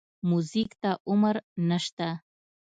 موزیک ته عمر نه شته.